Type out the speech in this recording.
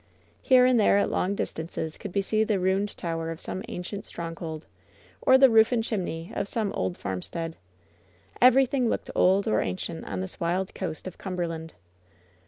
Here and there at long distances could be seen the ruined tower of some ancient stronghold, or the roof and chim neys of some old farmstead. Everything looked old or ancient on this wild coast of Cumberland.